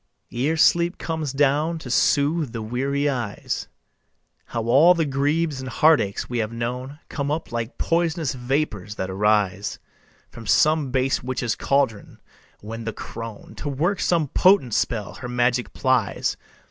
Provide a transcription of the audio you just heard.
Ere sleep comes down to soothe the weary eyes, How all the griefs and heartaches we have known Come up like pois'nous vapors that arise From some base witch's caldron, when the crone, To work some potent spell, her magic plies.